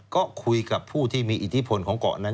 ก็คุยกับผู้ที่มีอิทธิพลของเกาะนั้น